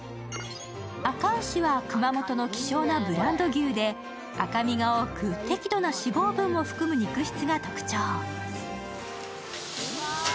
あか牛は熊本の希少なブランド牛で赤身が多く、適度な脂肪分も含む肉質が特徴。